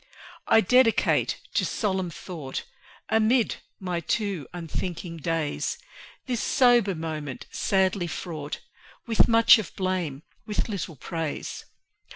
I dedicate to solemn thought Amid my too unthinking days, This sober moment, sadly fraught With much of blame, with little praise.